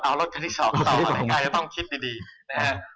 เอารถคันที่สองก็ต้องคิดดีนะครับ